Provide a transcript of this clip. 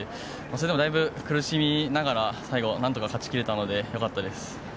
それでも、だいぶ苦しみながら、最後何とか勝ち切れたので良かったです。